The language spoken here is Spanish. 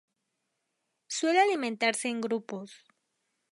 Suele alimentarse en grupos.